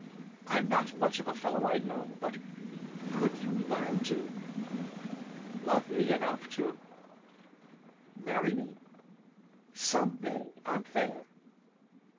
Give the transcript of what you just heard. I'm not much of a fellow, I know, but could you learn to love me enough to marry me some day, Anthea?"